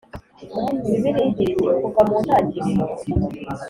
bibiliya igira iti kuva mu ntangiriro